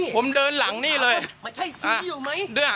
ผมเดินหลังนี่เลย